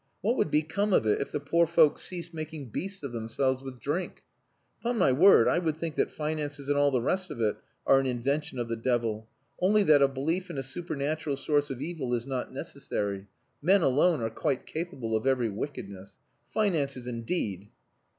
What would become of it if the poor folk ceased making beasts of themselves with drink? Upon my word, I would think that finances and all the rest of it are an invention of the devil; only that a belief in a supernatural source of evil is not necessary; men alone are quite capable of every wickedness. Finances indeed!"